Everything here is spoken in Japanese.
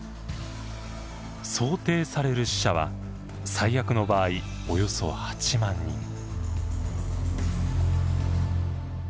想定される死者は最悪の場合およそ８万人。